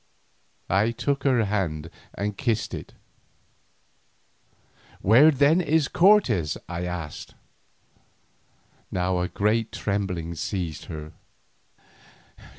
I took her hand and kissed it. "Where then is Cortes?" I asked. Now a great trembling seized her.